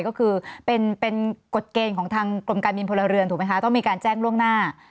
ก็คือเป็นกฎเกณฑ์ของทางกรมการบินพลเรือนถูกไหมคะต้องมีการแจ้งล่วงหน้า